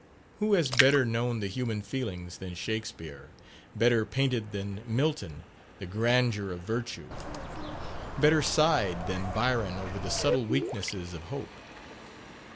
Who has better known the human feelings than Shakspere; better painted than Milton, the grandeur of Virtue; better sighed than Byron over the subtle weaknesses of Hope?